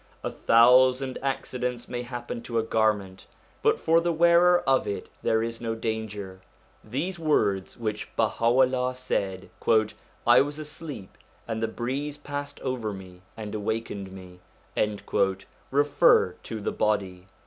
A thousand accidents may happen to a garment, but for the wearer of it there is no danger. These words which Baha'ullah said :' I was asleep, and the breeze passed over me and awakened me/ refer to the body.